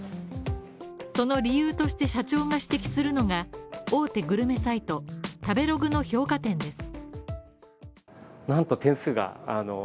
その理由として社長が指摘するのが、大手グルメサイト食べログの評価点です。